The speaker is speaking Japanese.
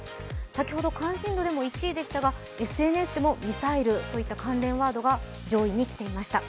先ほど関心度でも１位でしたがＳＮＳでもミサイルといった関連ワードが上位に来ていました。